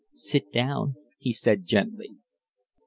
"Sit down," he said, gently.